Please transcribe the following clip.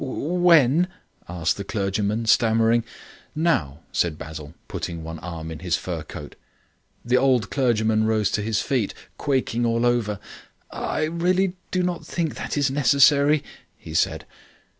"When?" asked the clergyman, stammering. "Now," said Basil, putting one arm in his fur coat. The old clergyman rose to his feet, quaking all over. "I really do not think that it is necessary," he said.